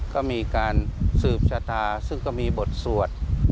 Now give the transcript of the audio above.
ก็มีการสืบชะตาซึ่งก็มีบทสวด